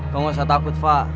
kamu gak usah takut fa